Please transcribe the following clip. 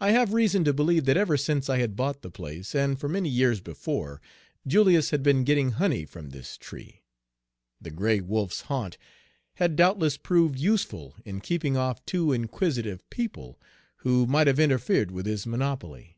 I have reason to believe that ever since I had bought the place, and for many years before, Julius had been getting honey from this tree. The gray wolf's haunt had doubtless proved useful in keeping off too inquisitive people, who might have interfered with his monopoly.